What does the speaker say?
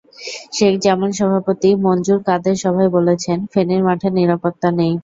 শেখ জামাল সভাপতি মনজুর কাদের সভায় বলেছেন, ফেনীর মাঠে নিরাপত্তা নেই।